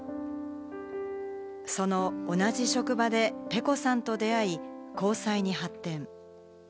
その同じ職場でｐｅｃｏさんと出会い、交際に発展。